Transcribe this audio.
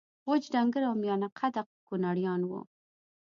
وچ ډنګر او میانه قده کونړیان وو